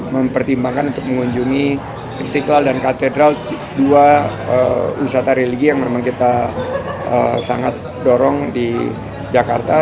mempertimbangkan untuk mengunjungi istiqlal dan katedral dua wisata religi yang memang kita sangat dorong di jakarta